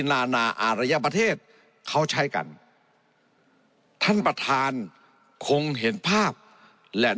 นานาอารยประเทศเขาใช้กันท่านประธานคงเห็นภาพและ